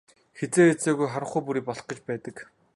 Хэзээ хэзээгүй харанхуй бүрий болох гэж байдаг.